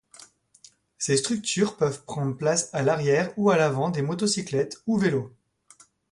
Ces structures peuvent prendre place à l'arrière ou à l'avant des motocyclettes ou vélos.